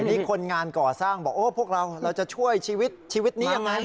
นี่คนงานก่อสร้างบอกโอ้พวกเราเราจะช่วยชีวิตชีวิตนี้ยังไง